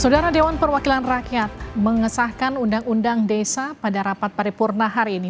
saudara dewan perwakilan rakyat mengesahkan undang undang desa pada rapat paripurna hari ini